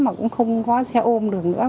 mà cũng không có xe ôm được nữa